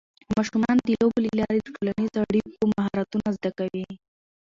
ماشومان د لوبو له لارې د ټولنیزو اړیکو مهارتونه زده کوي.